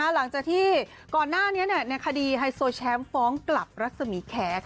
หลังจากที่ก่อนหน้านี้ในคดีไฮโซแชมป์ฟ้องกลับรัศมีแคร์